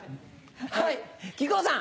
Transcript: はい木久扇さん。